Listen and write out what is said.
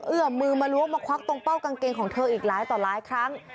เอื้อมือมาล้วงมาควักตรงเป้ากางเกงของเธออีกหลายต่อหลายครั้ง